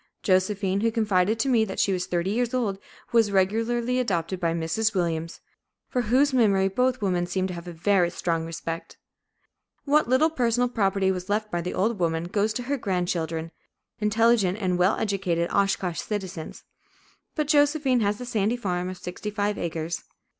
Josephine, who confided to me that she was thirty years old, was regularly adopted by Mrs. Williams, for whose memory both women seem to have a very strong respect. What little personal property was left by the old woman goes to her grandchildren, intelligent and well educated Oshkosh citizens, but Josephine has the sandy farm of sixty five acres.